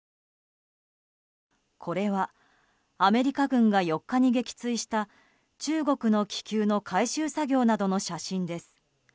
これは、アメリカ軍が４日に撃墜した中国の気球の回収作業などの写真です。